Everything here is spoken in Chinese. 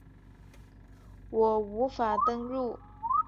我无法登入